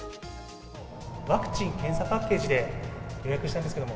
ワクチン・検査パッケージで予約したんですけども。